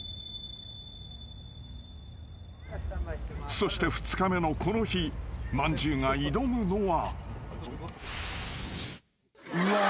［そして２日目のこの日まんじゅうが挑むのは］